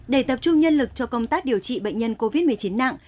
để tập trung nhân lực cho công tác điều trị bệnh nhân covid một mươi chín nặng